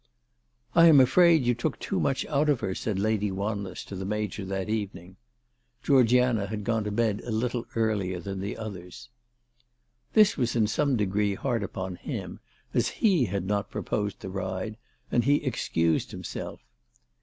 "I'm afraid you took too much out of her," said Lady Wanless to the Major that evening. Georgiana had gone to bed a little earlier than the others. This was in some degree hard upon him, as he had not proposed the ride, and he excused himself.